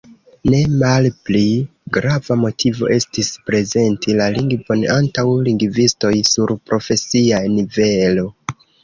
Ne malpli grava motivo estis prezenti la lingvon antaŭ lingvistoj sur profesia nivelo.